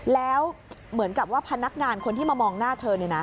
แล้วเหมือนกับว่าพนักงานคนที่มามองหน้าเธอ